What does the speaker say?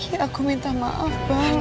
ya aku minta maaf bang